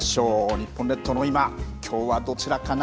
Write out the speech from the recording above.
日本列島の今きょうはどちらかな。